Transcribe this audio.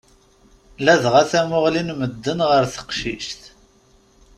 Ladɣa tamuɣli n medden ɣer teqcict.